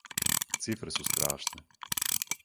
Цифре су страшне.